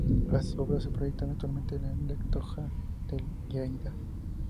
Las obras se proyectan actualmente en la Llotja de Lleida.